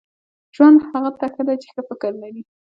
• ژوند هغه ته ښه دی چې ښه فکر لري.